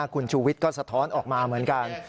คุณชูวิทย์ก็สะท้อนออกมาเหมือนกัน